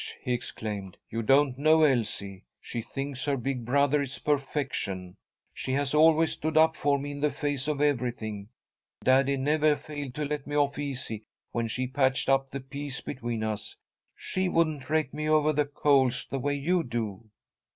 he exclaimed. "You don't know Elsie. She thinks her big brother is perfection. She has always stood up for me in the face of everything. Daddy never failed to let me off easy when she patched up the peace between us. She wouldn't rake me over the coals the way you do."